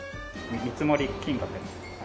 見積もり金額です。